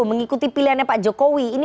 mengikuti pilihannya pak jokowi ini